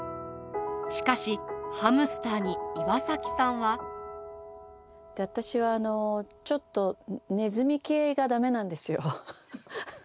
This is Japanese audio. しかしハムスターに岩崎さんは。私はあのちょっとネズミ系がダメなんですよ。